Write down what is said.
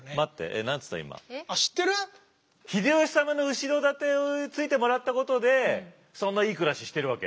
秀吉様の後ろ盾をついてもらったことでそんないい暮らししてるわけ？